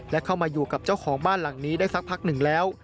และเข้ามาอยู่กับเจ้าของบ้านหลังนี้ได้สักพักหนึ่งแล้ว